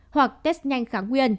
hoặc test nhanh kháng nguyên